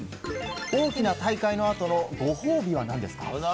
大きな大会の後のご褒美は何ですか？